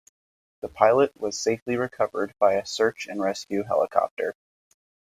The pilot was safely recovered by a search and rescue helicopter.